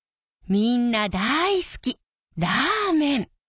みんな大好きラーメン！